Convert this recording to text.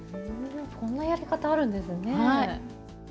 こんなやり方あるんですね。